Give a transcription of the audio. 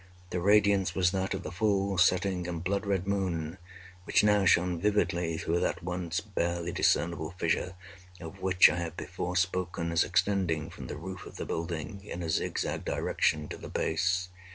The radiance was that of the full, setting, and blood red moon, which now shone vividly through that once barely discernible fissure, of which I have before spoken as extending from the roof of the building, in a zigzag direction, to the base.